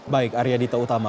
baik arya dita utama